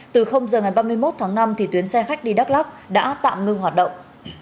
từ giờ ngày ba mươi một tháng năm tuyến xe khách đi đắk lắc đã tạm ngưng hoạt động